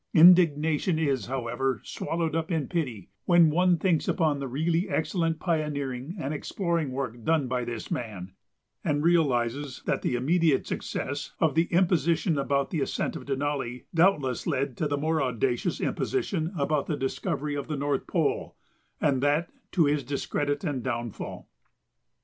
Indignation is, however, swallowed up in pity when one thinks upon the really excellent pioneering and exploring work done by this man, and realizes that the immediate success of the imposition about the ascent of Denali doubtless led to the more audacious imposition about the discovery of the North Pole and that to his discredit and downfall.